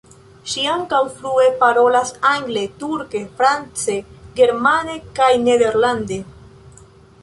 Ŝi ankaŭ flue parolas angle, turke, france, germane kaj nederlande.